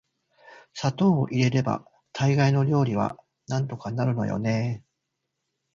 砂糖を入れれば大概の料理はなんとかなるのよね～